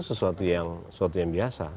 sesuatu yang biasa